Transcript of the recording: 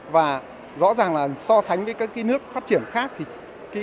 và rõ ràng là so sánh với các nước phát triển khác